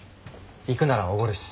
行くならおごるし。